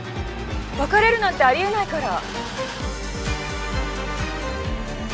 別れるなんてありえないから。